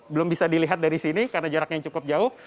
belum bisa dilihat dari sini karena jaraknya cukup jauh